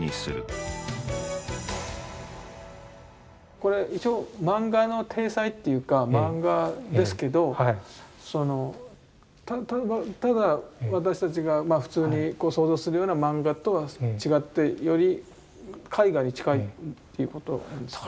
これ一応マンガの体裁っていうかマンガですけどただ私たちが普通に想像するようなマンガとは違ってより絵画に近いっていうことなんですか？